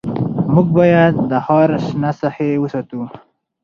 موږ باید د ښار شنه ساحې وساتو